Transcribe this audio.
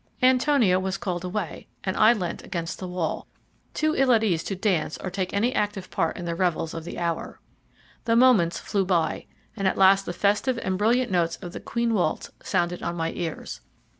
Antonia was called away, and I leant against the wall, too ill at ease to dance or take any active part in the revels of the hour. The moments flew by, and at last the festive and brilliant notes of the "Queen Waltz" sounded on my ears.